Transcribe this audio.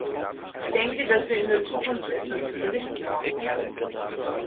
Ich denke, dass wir in der Zukunft etwas zu berichten haben werden.